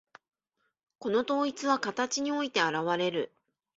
この統一は形において現われる。